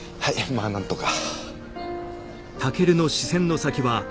まあなんとか。